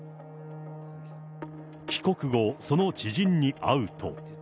帰国後、その知人に会うと。